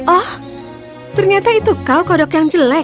oh ternyata itu kau kodok yang jelek